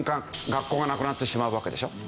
学校がなくなってしまうわけでしょ。